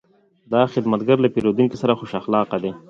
دا خدمتګر له پیرودونکو سره خوش اخلاقه دی.